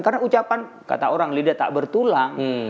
karena ucapan kata orang lidah tak bertulang